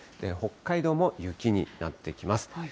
北海道も雪になってきます。